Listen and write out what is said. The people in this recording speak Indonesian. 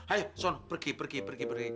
ayo son pergi pergi pergi